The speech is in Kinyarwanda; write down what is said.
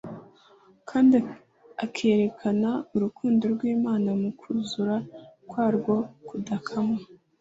, kandi akerekana urukundo rw’Imana mu kuzura kwarwo kudakama.